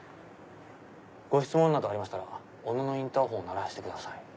ご質問などありましたら「小野のインターホンを鳴らして下さい」。